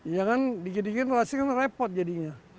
ya kan digigit gigit rasis kan repot jadinya